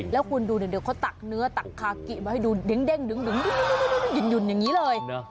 แล้วคุณดูเดี๋ยวเขาตักเนื้อตักคากิมาให้ดูเด้งดึงอย่างนี้เลย